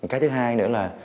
cái thứ hai nữa là